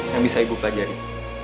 yang bisa ibu pelajari